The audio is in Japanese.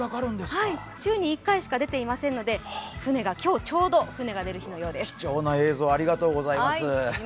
週に１回しか出ていませんので今日がちょうど船が出る日のようです。